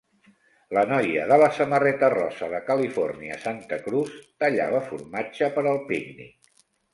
La noia de la samarreta rosa de California Santa Cruz tallava formatge per al pícnic.